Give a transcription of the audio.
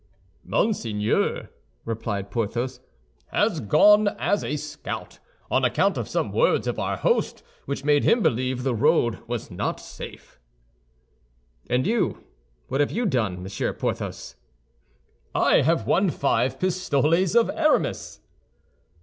"Monseigneur," replied Porthos, "he has gone as a scout, on account of some words of our host, which made him believe the road was not safe." "And you, what have you done, Monsieur Porthos?" "I have won five pistoles of Aramis."